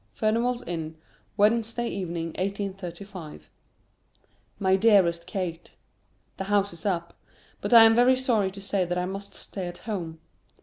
] FURNIVAL'S INN, Wednesday Evening, 1835. MY DEAREST KATE, The House is up; but I am very sorry to say that I must stay at home.